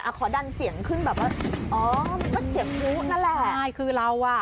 ขอดันเสียงขึ้นแบบว่าอ๋อมันก็เสียงพลุนั่นแหละใช่คือเราอ่ะ